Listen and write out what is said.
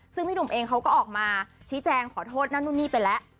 ซึ่งพี่หนุ่มเองเขาก็ออกมาชี้แจงขอโทษนั่นนู่นนี่ไปแล้ว